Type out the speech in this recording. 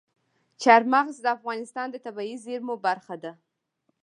چار مغز د افغانستان د طبیعي زیرمو برخه ده.